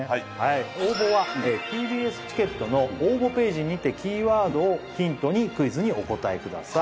応募はＴＢＳチケットの応募ページにてキーワードをヒントにクイズにお答えください